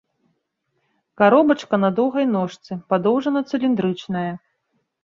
Каробачка на доўгай ножцы, падоўжана-цыліндрычная.